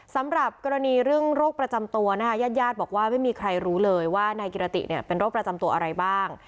สำหรับกรณีเรื่องโรคประจำตัวนะคะญาติญาติบอกว่าไม่มีใครรู้เลยว่านายกิรติเนี่ยเป็นโรคประจำตัวอะไรบ้าง